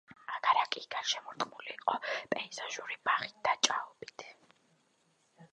აგარაკი გარშემორტყმული იყო პეიზაჟური ბაღით და ჭაობით.